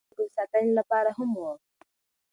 دا د سترګو د ساتنې لپاره هم و.